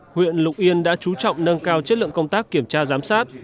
huyện lục yên đã chú trọng nâng cao chất lượng công tác kiểm tra giám sát